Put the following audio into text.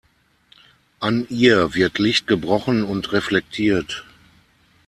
An ihr wird Licht gebrochen und reflektiert.